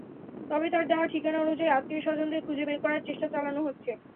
তবে তার দেওয়া ঠিকানা অনুযায়ী আত্মীয়স্বজনদের খুঁজে বের করার চেষ্টা চালানো হচ্ছে।